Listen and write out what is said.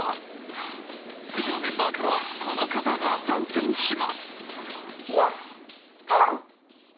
水曜メンバーからはこの方が参戦します。